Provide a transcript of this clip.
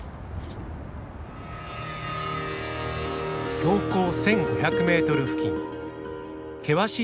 標高１，５００メートル付近険しい